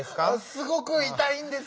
すごくいたいんですぅ。